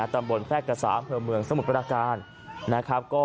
ตำบลแคลกษาเมืองสมุทรกรรดาการ